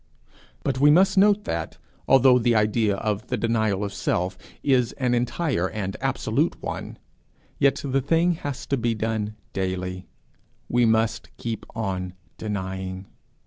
But we must note that, although the idea of the denial of self is an entire and absolute one, yet the thing has to be done daily: we must keep on denying.